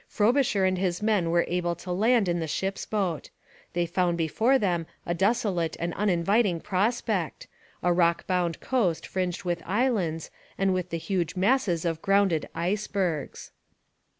Frobisher and his men were able to land in the ship's boat. They found before them a desolate and uninviting prospect, a rock bound coast fringed with islands and with the huge masses of grounded icebergs.